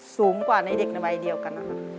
สูงกว่าในเด็กในวัยเดียวกันนะคะ